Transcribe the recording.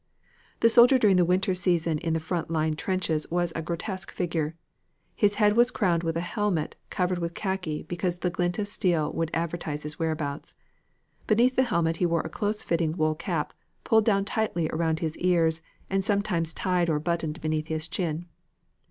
The soldier during the winter season in the front line trenches was a grotesque figure. His head was crowned with a helmet covered with khaki because the glint of steel would advertise his whereabouts. Beneath the helmet he wore a close fitting woolen cap pulled down tightly around his ears and sometimes tied or buttoned beneath his chin.